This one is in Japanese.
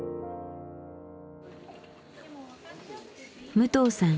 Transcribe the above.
武藤さん